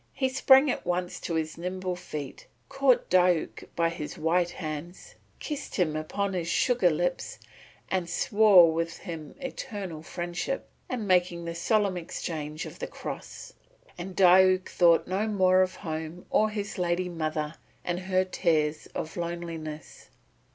He sprang at once to his nimble feet, caught Diuk by his white hands, kissed him upon his sugar lips, and swore with him eternal friendship, making the solemn exchange of the cross. And Diuk thought no more of home or of his lady mother and her tears of loneliness.